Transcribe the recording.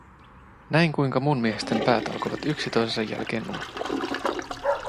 Näin kuinka muun miehistön päät alkoivat yksi toisensa jälkeen nuokkua.